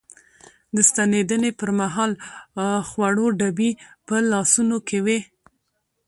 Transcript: د ستنېدنې پر مهال خوړو ډبي په لاسونو کې وې.